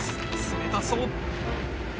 冷たそう！